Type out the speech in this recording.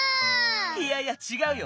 いやいやちがうよ。